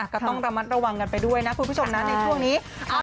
ก็ต้องระมัดระวังกันไปด้วยนะคุณผู้ชมนะในช่วงนี้